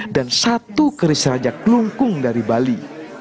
dan satu keris rajak lungkung dari bali